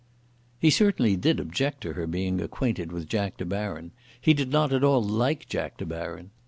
He certainly did object to her being acquainted with Jack De Baron. He did not at all like Jack De Baron.